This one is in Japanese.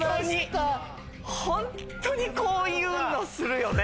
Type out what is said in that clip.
ホントにこういうのするよね！